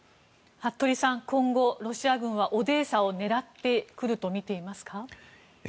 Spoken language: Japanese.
服部さん、今後ロシア軍はオデーサを狙ってくるとみていますか？